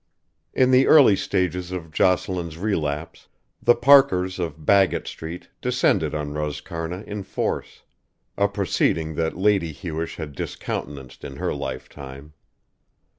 In the early stages of Jocelyn's relapse the Parkers of Baggot Street descended on Roscarna in force: a proceeding that Lady Hewish had discountenanced in her lifetime.